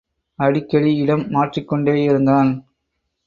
அடிக்கடி இடம் மாற்றிக்கொண்டேயிருந்தான்.